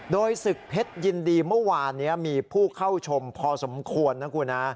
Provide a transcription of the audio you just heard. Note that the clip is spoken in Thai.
โดยศึกเพชรยินดีเมื่อวานนี้มีผู้เข้าชมพอสมควรนะคุณฮะ